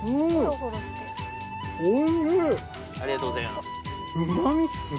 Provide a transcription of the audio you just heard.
ありがとうございます。